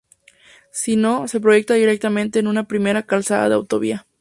Si no, se proyecta directamente una primera calzada de autovía.